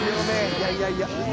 いやいやいや。